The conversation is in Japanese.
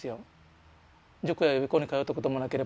塾や予備校に通ったこともなければですね。